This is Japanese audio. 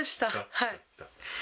はい。